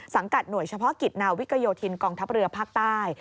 หน่วยเฉพาะกิจนาวิกโยธินกองทัพเรือภาคใต้